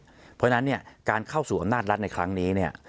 เพราะฉะนั้นเนี่ยการเข้าสู่อำนาจรัฐในครั้งนี้เนี่ย